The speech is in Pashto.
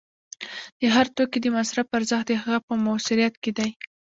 د هر توکي د مصرف ارزښت د هغه په موثریت کې دی